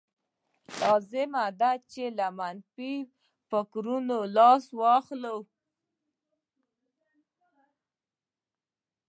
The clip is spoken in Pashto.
لازمه ده چې له منفي فکرونو لاس واخلئ